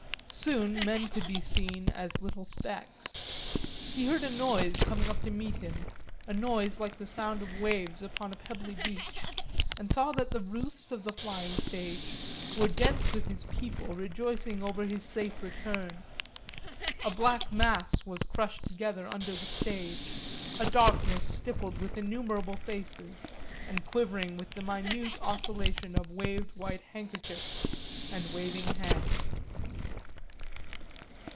Soon men could be seen as little specks. He heard a noise coming up to meet him, a noise like the sound of waves upon a pebbly beach, and saw that the roofs about the flying stage were dense with his people rejoicing over his safe return. A black mass was crushed together under the stage, a darkness stippled with innumerable faces, and quivering with the minute oscillation of waved white handkerchiefs and waving hands.